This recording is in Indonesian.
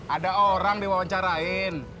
ada orang di wawancarain